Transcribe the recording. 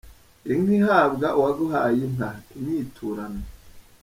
Inka ihabwa uwaguhaye inka : Inyiturano.